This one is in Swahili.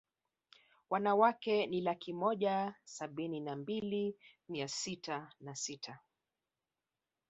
Wanawake ni laki moja sabini na mbili mia sita na sita